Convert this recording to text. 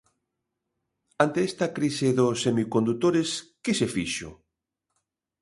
¿Ante esta crise dos semicondutores que se fixo?